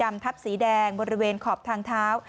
ทับสีแดงบริเวณขอบทางเท้า